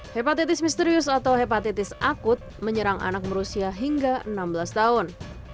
hepatitis misterius atau hepatitis akut menyerang anak berusia hingga enam belas tahun